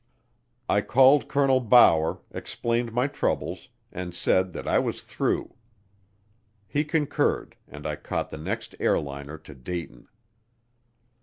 I called Colonel Bower, explained my troubles, and said that I was through. He concurred, and I caught the next airliner to Dayton.